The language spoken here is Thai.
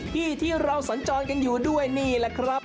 ที่ที่เราสัญจรกันอยู่ด้วยนี่แหละครับ